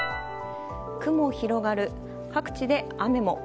雲広がる、各地で雨も。